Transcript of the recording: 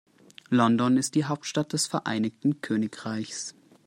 London ist die Hauptstadt des Vereinigten Königreichs.